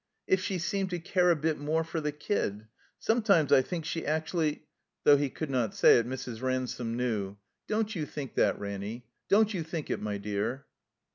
"If she seemed to care a bit more for the kid. Sometimes I think she actually —" Though he could not say it, Mrs. Ransome knew. "Don't you think that, Ranny. Don't you think it, my dear."